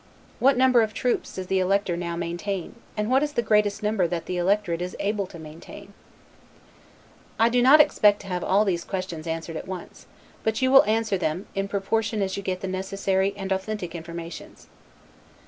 What number of troops does the elector now maintain? and what is the greatest number that the electorate is able to maintain? I do not expect to have all these questions answered at once; but you will answer them, in proportion as you get the necessary and authentic informations.